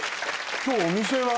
今日お店は？